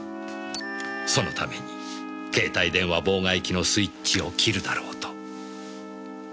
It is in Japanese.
そのために携帯電話妨害機のスイッチを切るだろうと。